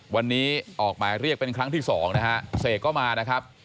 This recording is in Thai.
วันนี้ออกหมายเรียกเป็นครั้งที่สองนะฮะเสกก็มานะครับ